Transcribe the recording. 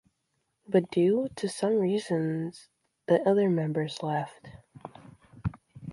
But due to some reasons the other members left.